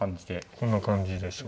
こんな感じでしょう。